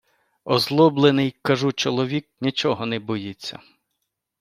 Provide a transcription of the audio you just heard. Озлоблений, кажу, чоловік нічого не боїться...